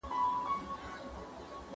دولت به په سړکونو او پلونو پیسې ولګوي.